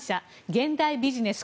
「現代ビジネス」